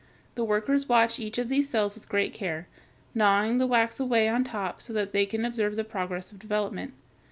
The workers watch each of these cells with great care, gnawing the wax away on top so that they can observe the progress of development.